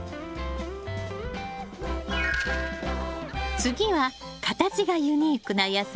次は形がユニークな野菜コールラビ。